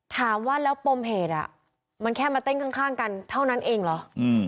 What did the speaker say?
ถามว่าแล้วปมเหตุมันแค่มาเต้นข้างกันเท่านั้นเองเหรอ